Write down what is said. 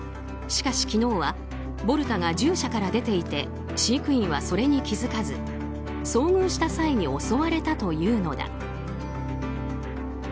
しかし、昨日はボルタが獣舎から出ていて飼育員はそれに気づかず遭遇した際に襲われたというのだ。